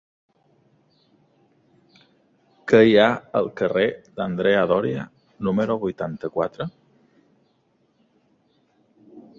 Què hi ha al carrer d'Andrea Doria número vuitanta-quatre?